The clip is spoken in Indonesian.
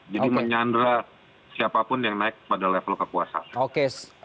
jadi menyandra siapapun yang naik pada level kekuasaan